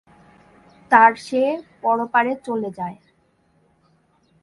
তার সে পরপারে চলে যায়।